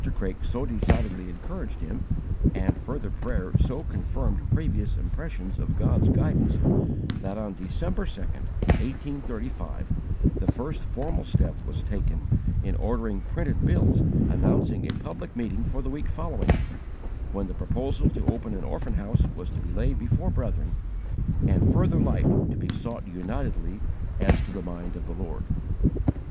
Mr. Craik so decidedly encouraged him, and further prayer so confirmed previous impressions of God's guidance, that on December 2, 1835, the first formal step was taken in ordering printed bills announcing a public meeting for the week following, when the proposal to open an orphan house was to be laid before brethren, and further light to be sought unitedly as to the mind of the Lord.